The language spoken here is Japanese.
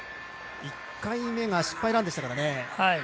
１回目が失敗ランでしたからね。